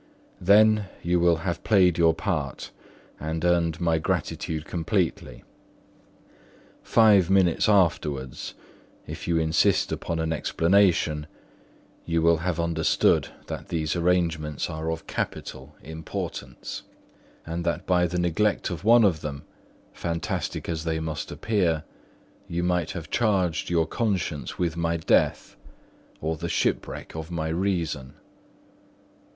Then you will have played your part and earned my gratitude completely. Five minutes afterwards, if you insist upon an explanation, you will have understood that these arrangements are of capital importance; and that by the neglect of one of them, fantastic as they must appear, you might have charged your conscience with my death or the shipwreck of my reason.